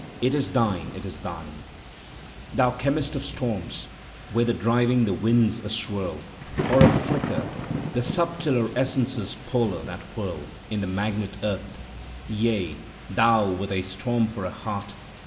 It is thine, it is thine: Thou chemist of st(»ms, whether driving the winds a swirl Or a flicker the subtiler essences polar that whirl In the magnet earth, — yea, thou with a storm for a heart.